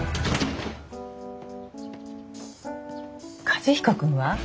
和彦君は？